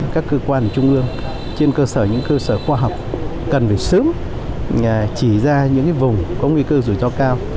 các cơ quan trung ương trên cơ sở những cơ sở khoa học cần phải sớm chỉ ra những vùng có nguy cơ rủi ro cao